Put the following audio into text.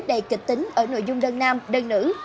đầy kịch tính ở nội dung đơn nam đơn nữ